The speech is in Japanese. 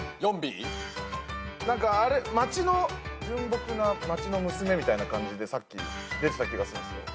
何かあれ純朴な町の娘みたいな感じでさっき出てた気がするんすよ。